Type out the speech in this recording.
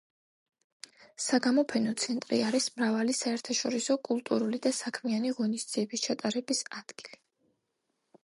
საგამოფენო ცენტრი არის მრავალი საერთაშორისო კულტურული და საქმიანი ღონისძიების ჩატარების ადგილი.